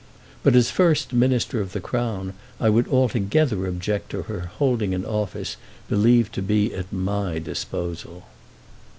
But as First Minister of the Crown I would altogether object to her holding an office believed to be at my disposal."